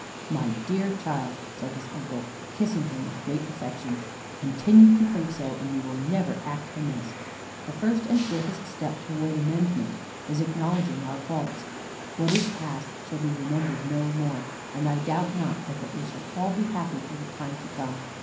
"My dear child," said his uncle, kissing him with great affection, "continue to think so, and you will never act amiss. The first and greatest step toward amendment is acknowledging our faults. What is passed shall be remembered no more, and I doubt not but that we shall all be happy for the time to come."